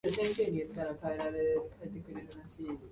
It is the fifth largest rodeo in Canada.